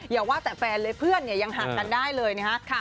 อย่าว่าแต่แฟนหรือเพื่อนยังหากันได้เลยนะครับ